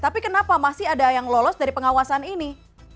tapi kenapa masih ada yang lolos dari pengawasan ini